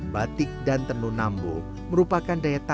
batik dan tenun ambo merupakan daya tersebut